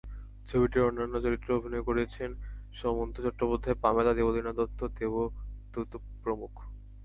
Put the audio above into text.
ছবিটির অন্যান্য চরিত্রে অভিনয় করেছেন সুমন্ত চট্টোপাধ্যায়, পামেলা, দেবলীনা দত্ত, দেবদূত প্রমুখ।